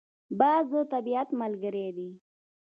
باز د طبیعت ملګری دی